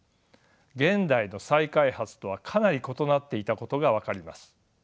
現代の再開発とはかなり異なっていたことが分かります。